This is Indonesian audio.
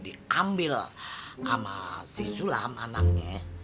diambil sama si sulam anaknya